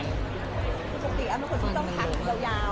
พี่เอ็มเค้าเป็นระบองโรงงานหรือเปลี่ยนไงครับ